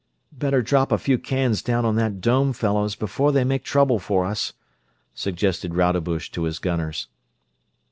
"Better drop a few cans down on that dome, fellows, before they make trouble for us," suggested Rodebush to his gunners.